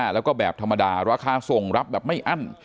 แล้วก็แบบธรรมดาราคาส่งรับแบบไม่อั้น